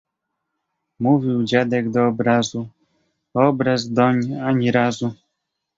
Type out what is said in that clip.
Mówił dziadek do obrazu, a obraz doń ani razu.